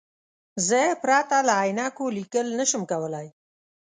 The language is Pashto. زه پرته له عینکو لیکل نشم کولای.